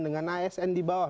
dengan asn di bawah